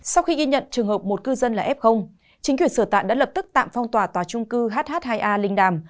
sau khi ghi nhận trường hợp một cư dân là f chính quyền sửa tạm đã lập tức tạm phong tỏa tòa trung cư hh hai a linh đàm